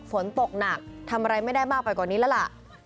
ฝนตกหนักทำอะไรไม่ได้มากไปกว่านี้แล้วล่ะ